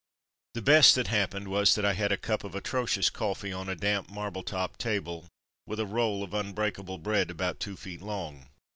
The best that hap pened was that I had a cup of atrocious coffee on a damp, marble topped table, with a roll of unbreakable bread about two feet long.